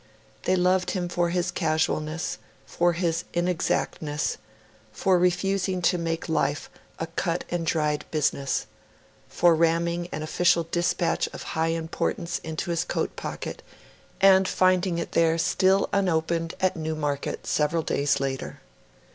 They loved him for his casualness for his inexactness for refusing to make life a cut and dried business for ramming an official dispatch of high importance into his coat pocket, and finding it there, still unopened, at Newmarket, several days later.